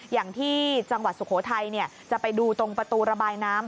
อย่างที่จังหวัดสุโขทัยจะไปดูตรงประตูระบายน้ำ